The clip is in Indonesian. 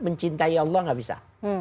mencintai allah gak bisa